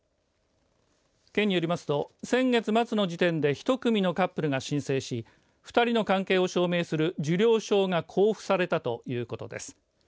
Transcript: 県によりますと先月末の時点で１組のカップルが申請し２人の関係を証明する受領証が交付されたということです。